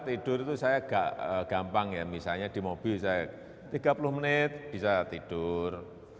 tidur itu saya agak gampang ya misalnya di mobil saya tiga puluh menit bisa tidur